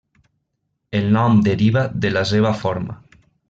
El nom deriva de la seva forma.